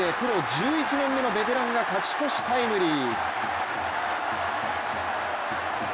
１１年目のベテランが勝ち越しタイムリー。